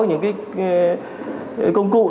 những công cụ